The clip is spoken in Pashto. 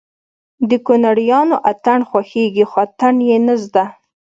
د کونړيانو اتڼ خوښېږي خو اتڼ يې نه زده